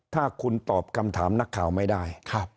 ถ้าคุณตอบคำถามนักข่าวไม่ได้